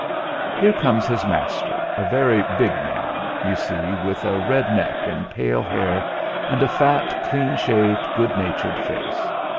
Here comes his master a very big man, you see with a red neck and pale hair, and a fat, clean shaved, good natured face.